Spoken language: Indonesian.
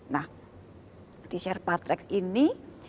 nah di sherpa track ini